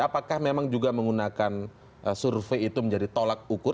apakah memang juga menggunakan survei itu menjadi tolak ukur